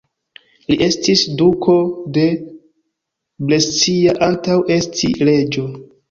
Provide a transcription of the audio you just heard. Li estis duko de Brescia antaŭ esti reĝo.